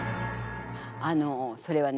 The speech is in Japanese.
あのそれはね